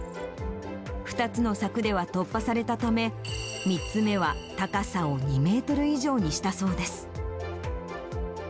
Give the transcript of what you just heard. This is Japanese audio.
２つの柵では突破されたため、３つ目は高さを２メートル以上にしたそうです。